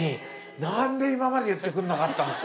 なんで今まで言ってくれなかったんすか。